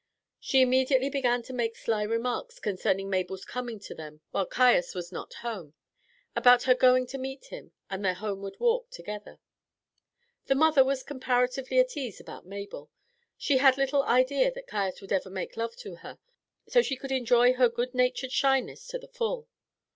She immediately began to make sly remarks concerning Mabel's coming to them while Caius was at home, about her going to meet him, and their homeward walk together. The mother was comparatively at ease about Mabel; she had little idea that Caius would ever make love to her, so she could enjoy her good natured slyness to the full.